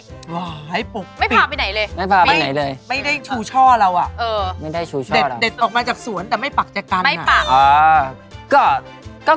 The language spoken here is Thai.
ให้ปลุกไม่พาไปไหนเลยไม่ได้ชูช่อเราอ่ะเด็ดออกมาจากสวนแต่ไม่ปักจากกันไม่ปัก